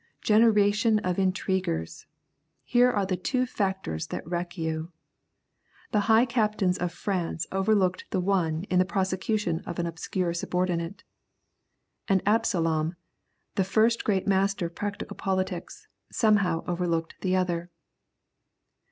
Generation of intriguers! Here are the two factors that wreck you. The high captains of France overlooked the one in the prosecution of an obscure subordinate. And Absalom, the first great master of practical politics, somehow overlooked the other.